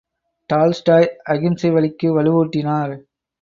Tolstoy அகிம்சை வழிக்கு வலுவூட்டினார்.